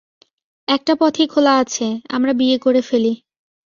একটা পথই খোলা আছে, আমরা বিয়ে করে ফেলি।